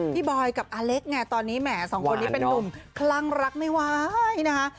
พี่บอยกับอเล็กตอนนี้สองคนนี้เป็นนุ่มคลังรักไม้ว้ายนะคะ